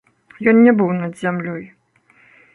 Ён не быў над зямлёй.